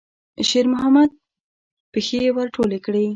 شېرمحمد پښې ور ټولې کړې.